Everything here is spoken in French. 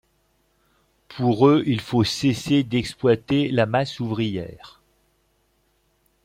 Pour eux, il faut cesser d’exploiter la masse ouvrière.